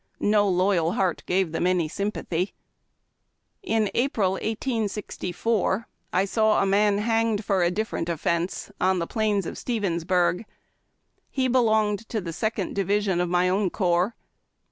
No loyal heart gave them any sympathy. In April, 1864, I saw a man hanged for a different offence, on the plains of Stevensburg. He belonged to the second division of my own corps.